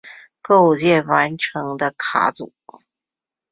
构建完成的卡组。